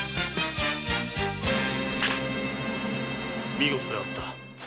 見事であった。